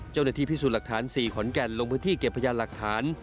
เจ้าหน้าที่พิสูจน์หลักฐาน๔ขอนแก่นลงพื้นที่เก็บพยานหลักฐาน